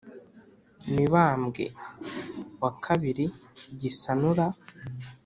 mibambwe ii gisanura